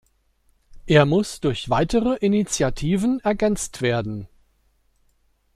Er muss durch weitere Initiativen ergänzt werden.